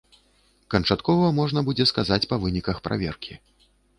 Канчаткова можна будзе сказаць па выніках праверкі.